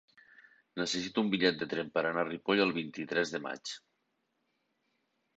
Necessito un bitllet de tren per anar a Ripoll el vint-i-tres de maig.